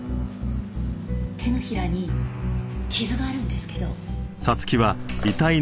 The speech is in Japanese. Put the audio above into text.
手のひらに傷があるんですけど。